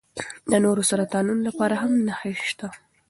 د نورو سرطانونو لپاره هم نښې شته.